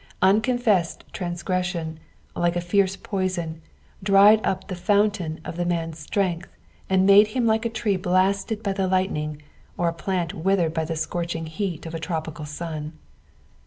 Unconfessed transgression, like a fierce poison, dried up the fountain of the roan's strength and made him like a tree blasted b; the bghtning, or a plant withered b; the scorcliing heat of a tropical sun.